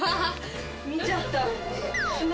見ちゃった。